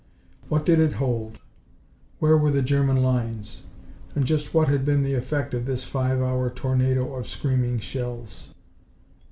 What did it hold? Where were the German lines? And just what had been the effect of this five hour tornado of screaming shells?